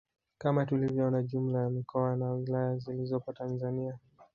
Kama tulivyoona jumla ya mikoa na wilaya zilizopo Tanzania